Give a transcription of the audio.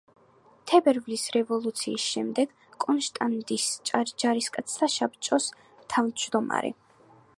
თებერვლის რევოლუციის შემდეგ კრონშტადტის ჯარისკაცთა საბჭოს თავმჯდომარე.